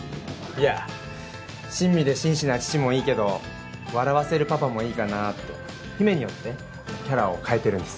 いや親身で紳士な父もいいけど笑わせるパパもいいかなって姫によってキャラを変えてるんです。